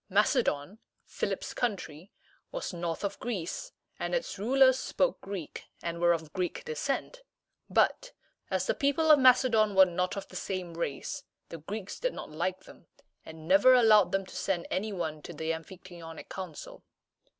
Mac´e don, Philip's country, was north of Greece, and its rulers spoke Greek and were of Greek descent; but, as the people of Macedon were not of the same race, the Greeks did not like them, and never allowed them to send any one to the Amphictyonic Council.